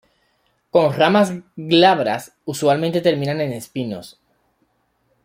Con ramas glabras, usualmente terminan en espinos.